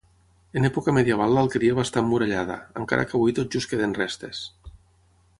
En època medieval l'alqueria va estar emmurallada, encara que avui tot just queden restes.